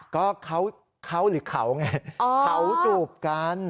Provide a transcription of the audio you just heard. ก็เขาหรือเขาไงเขาจูบกัน